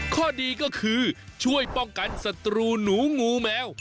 ข้อดีก็คือช่วยป้องกันศัตรูหนูงูแมว